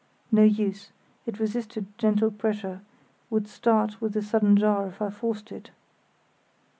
No use; it resisted gentle pressure, would start with a sudden jar if I forced it.